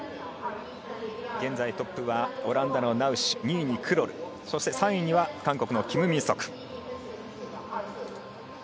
現在トップはオランダのナウシュ２位にクロルそして３位には韓国のキム・ミンソク。